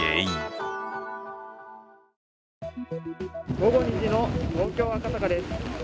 午後２時の東京・赤坂です。